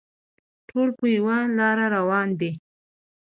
ټول په یوه لاره روان دي.